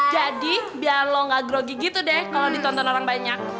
jadi biar lo gak grogi gitu deh kalau ditonton orang banyak